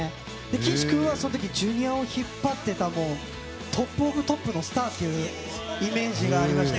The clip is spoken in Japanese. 岸君はＪｒ．を引っ張っていたトップオブトップのスターというイメージがありまして。